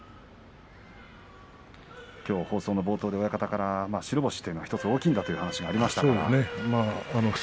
きょうは放送の冒頭で親方から白星というのは大きいんだという話をしていましたけどね。